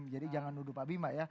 jadi jangan nuduh pak bima ya